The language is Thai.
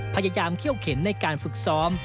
พยายามเขี้ยวเข็นในการฝึกซ้อม